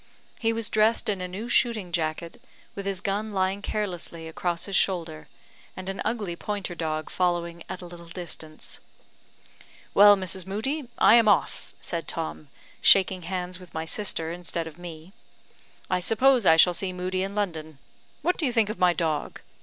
He was dressed in a new shooting jacket, with his gun lying carelessly across his shoulder, and an ugly pointer dog following at a little distance. "Well, Mrs. Moodie, I am off," said Tom, shaking hands with my sister instead of me. "I suppose I shall see Moodie in London. What do you think of my dog?"